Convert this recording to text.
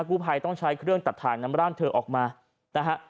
ผู้ภัยต้องใช้เครื่องตัดถ่างนำร่างเธอออกมานะฮะ